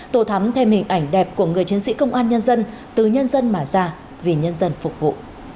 tổ thắm thêm hình ảnh đẹp của người chiến sĩ công an nhân dân từ nhân dân mà ra vì nhân dân phục vụ